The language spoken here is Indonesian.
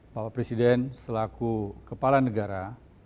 bapak presiden selaku kepala negara